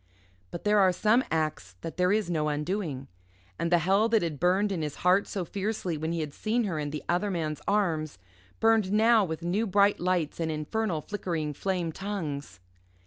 But there are some acts that there is no undoing. And the hell that had burned in his heart so fiercely when he had seen her in the other man's arms burned now with new bright lights and infernal flickering flame tongues.